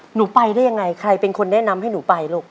หนูไปได้ยังไงใครเป็นคนแนะนำให้หนูไปลูก